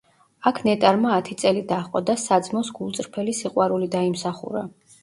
აქ ნეტარმა ათი წელი დაჰყო და საძმოს გულწრფელი სიყვარული დაიმსახურა.